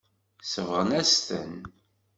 Sebɣen-as-ten.